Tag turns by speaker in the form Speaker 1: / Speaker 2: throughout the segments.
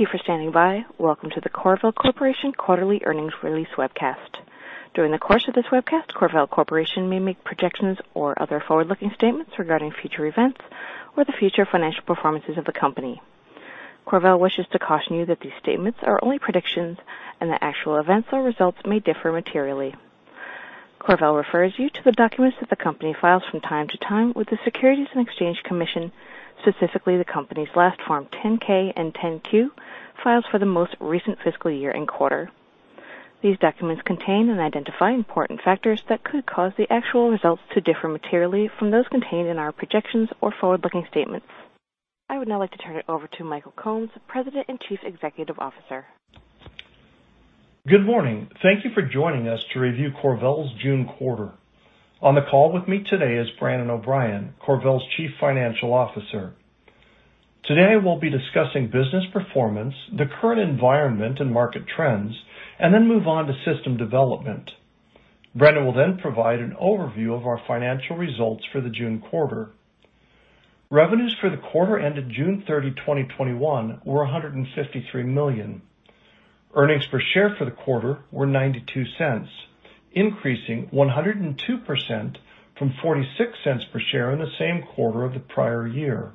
Speaker 1: Thank you for standing by. Welcome to the CorVel Corporation quarterly earnings release webcast. During the course of this webcast, CorVel Corporation may make projections or other forward-looking statements regarding future events or the future financial performances of the company. CorVel wishes to caution you that these statements are only predictions, and that actual events or results may differ materially. CorVel refers you to the documents that the company files from time to time with the Securities and Exchange Commission, specifically the company's last Form 10-K and 10-Q files for the most recent fiscal year and quarter. These documents contain and identify important factors that could cause the actual results to differ materially from those contained in our projections or forward-looking statements. I would now like to turn it over to Michael Combs, President and Chief Executive Officer.
Speaker 2: Good morning. Thank you for joining us to review CorVel's June quarter. On the call with me today is Brandon O'Brien, CorVel's Chief Financial Officer. Today, we'll be discussing business performance, the current environment and market trends, and then move on to system development. Brandon will then provide an overview of our financial results for the June quarter. Revenues for the quarter ended June 30, 2021, were $153 million. Earnings per share for the quarter were $0.92, increasing 102% from $0.46 per share in the same quarter of the prior year.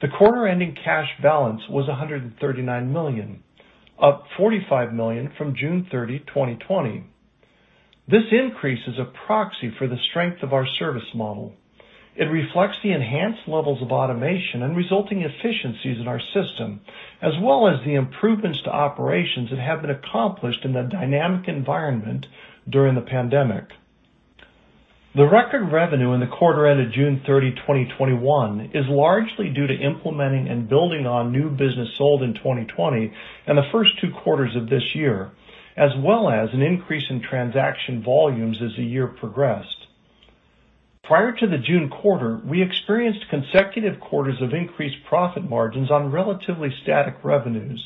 Speaker 2: The quarter-ending cash balance was $139 million, up $45 million from June 30, 2020. This increase is a proxy for the strength of our service model. It reflects the enhanced levels of automation and resulting efficiencies in our system, as well as the improvements to operations that have been accomplished in the dynamic environment during the pandemic. The record revenue in the quarter ended June 30, 2021, is largely due to implementing and building on new business sold in 2020 and the first two quarters of this year, as well as an increase in transaction volumes as the year progressed. Prior to the June quarter, we experienced consecutive quarters of increased profit margins on relatively static revenues.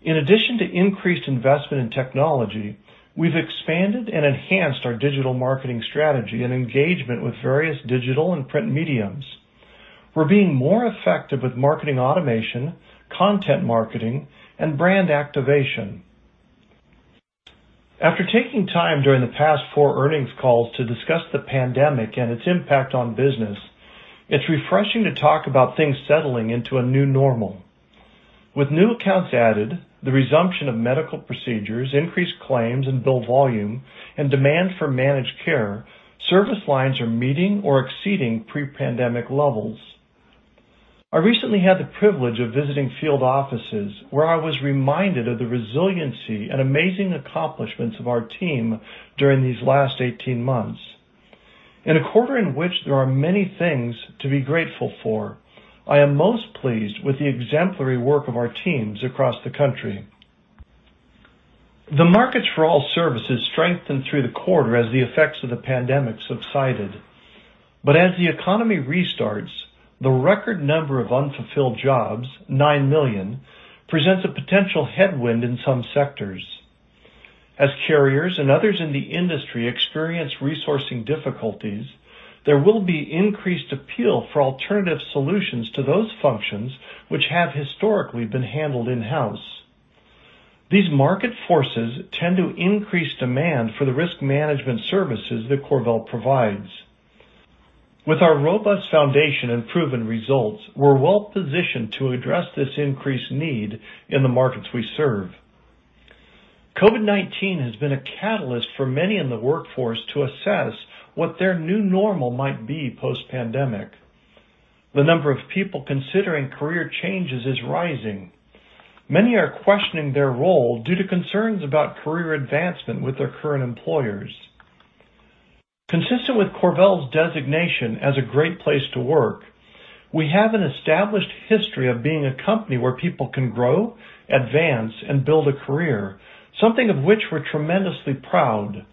Speaker 2: In addition to increased investment in technology, we've expanded and enhanced our digital marketing strategy and engagement with various digital and print mediums. We're being more effective with marketing automation, content marketing, and brand activation. After taking time during the past four earnings calls to discuss the pandemic and its impact on business, it's refreshing to talk about things settling into a new normal. With new accounts added, the resumption of medical procedures, increased claims and bill volume, and demand for managed care, service lines are meeting or exceeding pre-pandemic levels. I recently had the privilege of visiting field offices, where I was reminded of the resiliency and amazing accomplishments of our team during these last 18 months. In a quarter in which there are many things to be grateful for, I am most pleased with the exemplary work of our teams across the country. The market for our services strengthens through the quarter as the effects of the pandemic subsided. As the economy restarts, the record number of unfulfilled jobs, 9 million, presents a potential headwind in some sectors. As carriers and others in the industry experience resourcing difficulties, there will be increased appeal for alternative solutions to those functions which have historically been handled in-house. These market forces tend to increase demand for the risk management services that CorVel provides. With our robust foundation and proven results, we're well positioned to address this increased need in the markets we serve. COVID-19 has been a catalyst for many in the workforce to assess what their new normal might be post-pandemic. The number of people considering career changes is rising. Many are questioning their role due to concerns about career advancement with their current employers. Consistent with CorVel's designation as a great place to work, we have an established history of being a company where people can grow, advance, and build a career, something of which we're tremendously proud.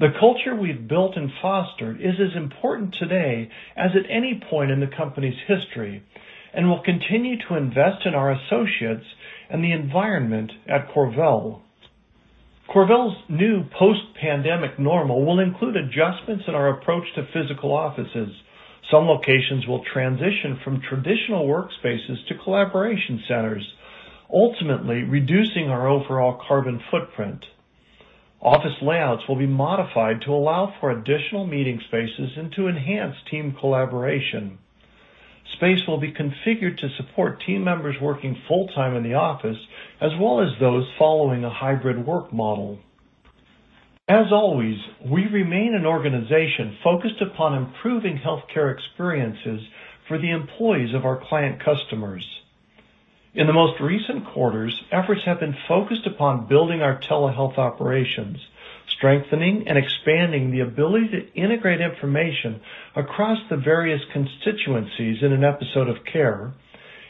Speaker 2: The culture we've built and fostered is as important today as at any point in the company's history, and we'll continue to invest in our associates and the environment at CorVel. CorVel's new post-pandemic normal will include adjustments in our approach to physical offices. Some locations will transition from traditional workspaces to collaboration centers, ultimately reducing our overall carbon footprint. Office layouts will be modified to allow for additional meeting spaces and to enhance team collaboration. Space will be configured to support team members working full-time in the office, as well as those following a hybrid work model. As always, we remain an organization focused upon improving healthcare experiences for the employees of our client customers. In the most recent quarters, efforts have been focused upon building our telehealth operations, strengthening and expanding the ability to integrate information across the various constituencies in an episode of care,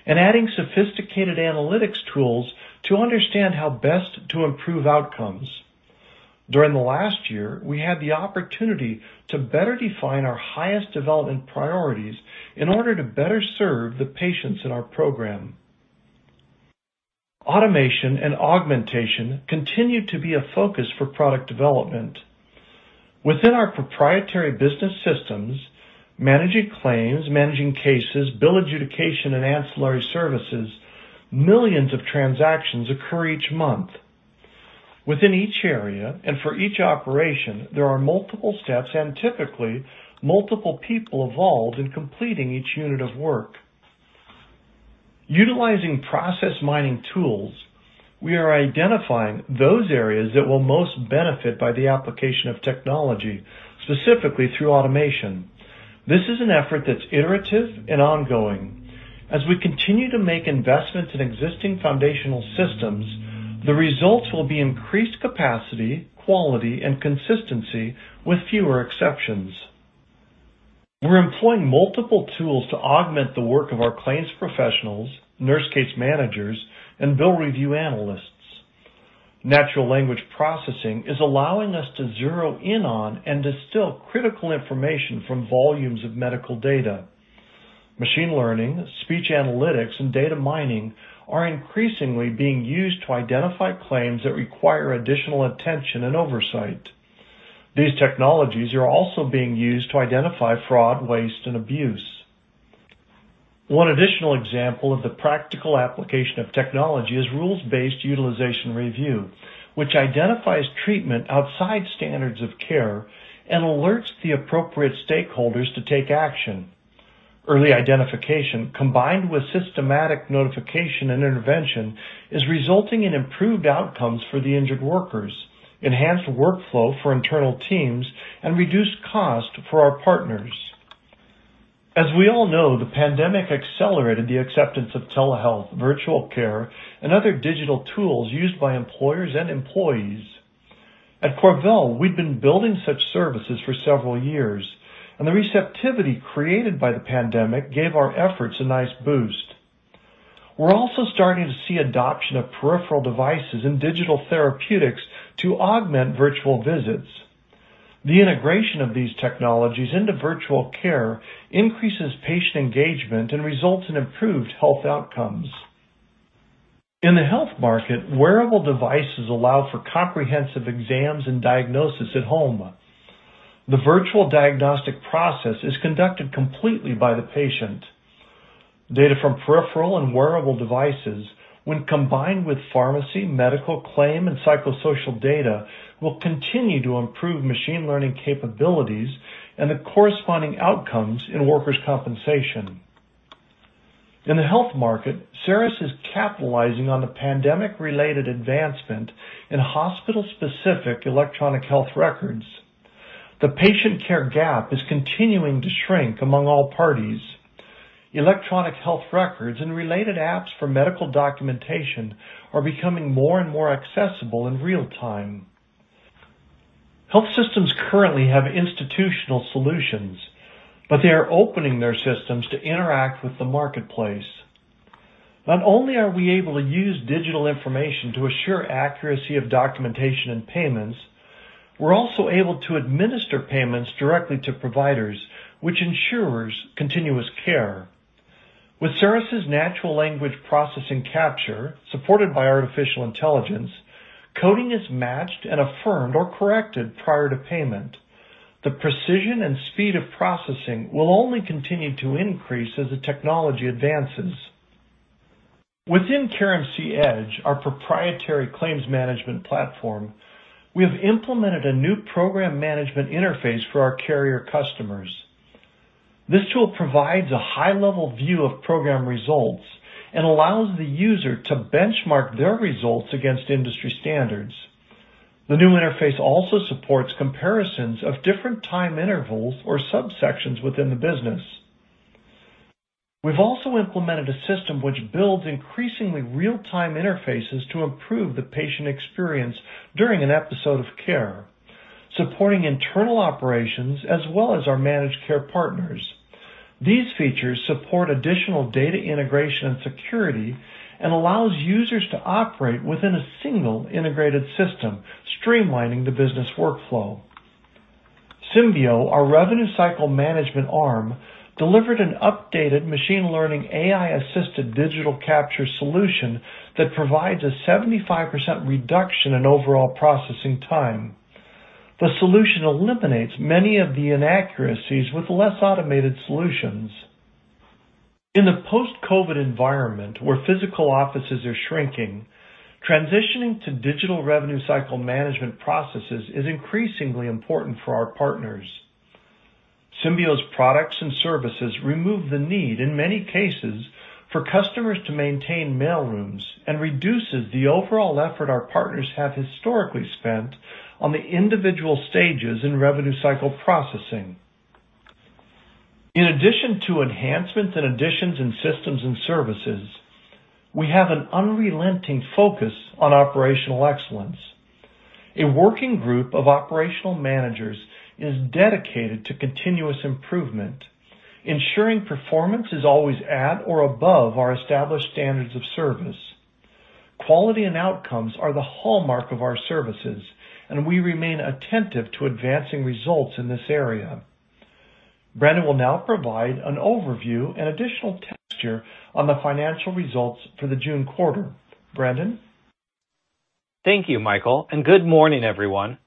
Speaker 2: and adding sophisticated analytics tools to understand how best to improve outcomes. During the last year, we had the opportunity to better define our highest development priorities in order to better serve the patients in our program. Automation and augmentation continue to be a focus for product development. Within our proprietary business systems, managing claims, managing cases, bill adjudication, and ancillary services, millions of transactions occur each month. Within each area and for each operation, there are multiple steps and typically, multiple people involved in completing each unit of work. Utilizing process mining tools, we are identifying those areas that will most benefit by the application of technology, specifically through automation. This is an effort that's iterative and ongoing. As we continue to make investments in existing foundational systems, the results will be increased capacity, quality, and consistency with fewer exceptions. We're employing multiple tools to augment the work of our claims professionals, nurse case managers, and bill review analysts. Natural language processing is allowing us to zero in on and distill critical information from volumes of medical data. Machine learning, speech analytics, and data mining are increasingly being used to identify claims that require additional attention and oversight. These technologies are also being used to identify fraud, waste, and abuse. One additional example of the practical application of technology is rules-based utilization review, which identifies treatment outside standards of care and alerts the appropriate stakeholders to take action. Early identification, combined with systematic notification and intervention, is resulting in improved outcomes for the injured workers, enhanced workflow for internal teams, and reduced cost for our partners. As we all know, the pandemic accelerated the acceptance of Telehealth, virtual care, and other digital tools used by employers and employees. At CorVel, we'd been building such services for several years, and the receptivity created by the pandemic gave our efforts a nice boost. We're also starting to see adoption of peripheral devices and digital therapeutics to augment virtual visits. The integration of these technologies into virtual care increases patient engagement and results in improved health outcomes. In the health market, wearable devices allow for comprehensive exams and diagnosis at home. The virtual diagnostic process is conducted completely by the patient. Data from peripheral and wearable devices, when combined with pharmacy, medical claim, and psychosocial data, will continue to improve machine learning capabilities and the corresponding outcomes in workers' compensation. In the health market, CERiS is capitalizing on the pandemic-related advancement in hospital-specific electronic health records. The patient care gap is continuing to shrink among all parties. Electronic health records and related apps for medical documentation are becoming more and more accessible in real time. Health systems currently have institutional solutions. They are opening their systems to interact with the marketplace. Not only are we able to use digital information to assure accuracy of documentation and payments, we're also able to administer payments directly to providers, which ensures continuous care. With CERiS' natural language processing capture, supported by artificial intelligence, coding is matched and affirmed or corrected prior to payment. The precision and speed of processing will only continue to increase as the technology advances. Within CareMC Edge, our proprietary claims management platform, we have implemented a new program management interface for our carrier customers. This tool provides a high-level view of program results and allows the user to benchmark their results against industry standards. The new interface also supports comparisons of different time intervals or subsections within the business. We've also implemented a system which builds increasingly real-time interfaces to improve the patient experience during an episode of care, supporting internal operations as well as our managed care partners. These features support additional data integration and security and allows users to operate within a single integrated system, streamlining the business workflow. Symbeo, our revenue cycle management arm, delivered an updated machine learning AI-assisted digital capture solution that provides a 75% reduction in overall processing time. The solution eliminates many of the inaccuracies with less automated solutions. In the post-COVID-19 environment, where physical offices are shrinking, transitioning to digital revenue cycle management processes is increasingly important for our partners. Symbeo's products and services remove the need, in many cases, for customers to maintain mail rooms and reduces the overall effort our partners have historically spent on the individual stages in revenue cycle processing. In addition to enhancements and additions in systems and services, we have an unrelenting focus on operational excellence. A working group of operational managers is dedicated to continuous improvement, ensuring performance is always at or above our established standards of service. Quality and outcomes are the hallmark of our services, and we remain attentive to advancing results in this area. Brandon will now provide an overview and additional texture on the financial results for the June quarter. Brandon?
Speaker 3: Thank you, Michael, and good morning, everyone.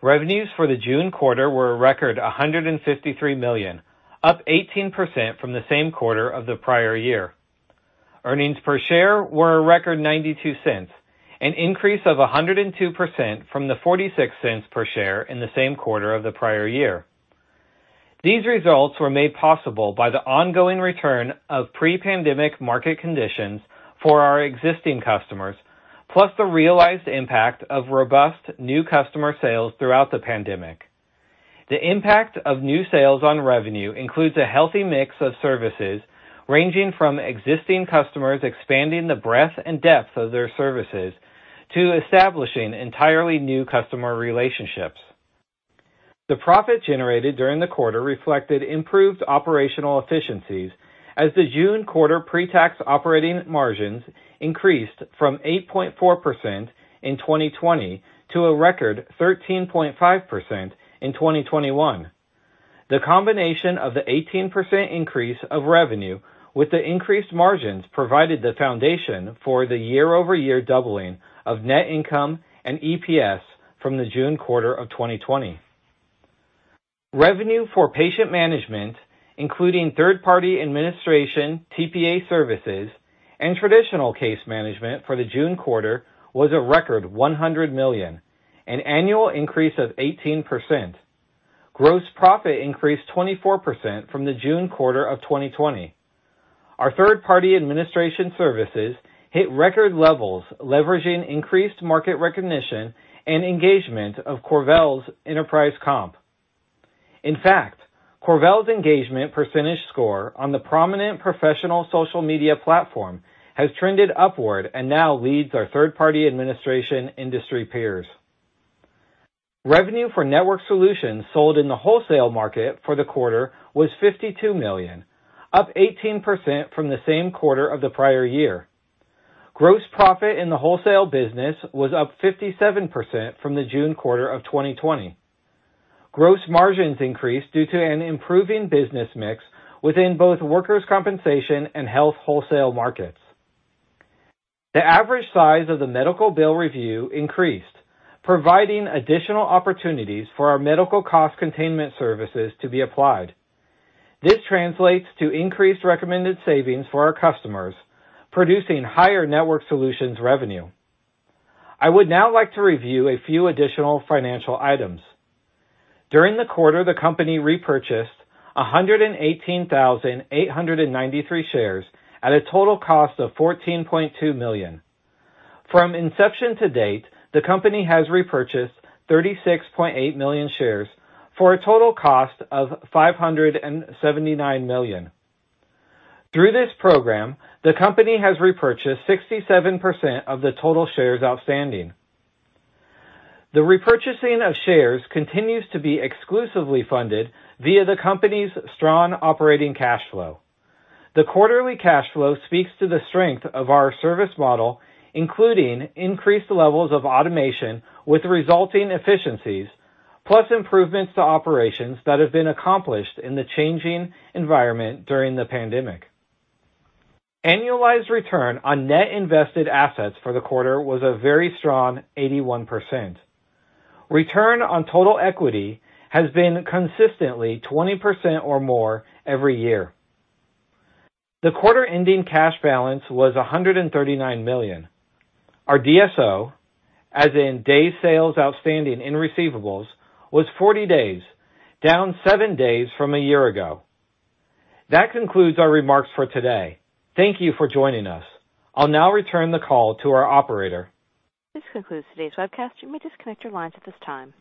Speaker 3: Revenues for the June quarter were a record $153 million, up 18% from the same quarter of the prior year. Earnings per share were a record $0.92, an increase of 102% from the $0.46 per share in the same quarter of the prior year. These results were made possible by the ongoing return of pre-pandemic market conditions for our existing customers, plus the realized impact of robust new customer sales throughout the pandemic. The impact of new sales on revenue includes a healthy mix of services, ranging from existing customers expanding the breadth and depth of their services to establishing entirely new customer relationships. The profit generated during the quarter reflected improved operational efficiencies as the June quarter pre-tax operating margins increased from 8.4% in 2020 to a record 13.5% in 2021. The combination of the 18% increase of revenue with the increased margins provided the foundation for the year-over-year doubling of net income and EPS from the June quarter of 2020. Revenue for patient management, including third party administration, TPA services, and traditional case management for the June quarter was a record $100 million, an annual increase of 18%. Gross profit increased 24% from the June quarter of 2020. Our third party administration services hit record levels, leveraging increased market recognition and engagement of CorVel's Enterprise Comp. In fact, CorVel's engagement percentage score on the prominent professional social media platform has trended upward and now leads our third party administration industry peers. Revenue for Network Solutions sold in the wholesale market for the quarter was $52 million, up 18% from the same quarter of the prior year. Gross profit in the wholesale business was up 57% from the June quarter of 2020. Gross margins increased due to an improving business mix within both workers' compensation and health wholesale markets. The average size of the medical bill review increased, providing additional opportunities for our medical cost containment services to be applied. This translates to increased recommended savings for our customers, producing higher Network Solutions revenue. I would now like to review a few additional financial items. During the quarter, the company repurchased 118,893 shares at a total cost of $14.2 million. From inception to date, the company has repurchased 36.8 million shares for a total cost of $579 million. Through this program, the company has repurchased 67% of the total shares outstanding. The repurchasing of shares continues to be exclusively funded via the company's strong operating cash flow. The quarterly cash flow speaks to the strength of our service model, including increased levels of automation with resulting efficiencies, plus improvements to operations that have been accomplished in the changing environment during the pandemic. Annualized return on net invested assets for the quarter was a very strong 81%. Return on total equity has been consistently 20% or more every year. The quarter-ending cash balance was $139 million. Our DSO, as in days sales outstanding in receivables, was 40 days, down seven days from a year ago. That concludes our remarks for today. Thank you for joining us. I'll now return the call to our operator.
Speaker 1: This concludes today's webcast. You may disconnect your lines at this time.